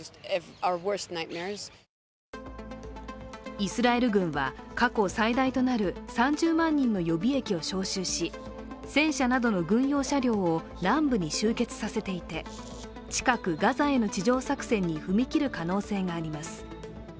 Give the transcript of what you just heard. イスラエル軍は過去最大となる３０万人の予備役を招集し、戦車などの軍用車両を南部に集結させていて、近くガザへの地上作戦に踏み切る可能性があります。